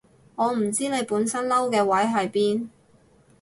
我唔知你本身嬲嘅位喺邊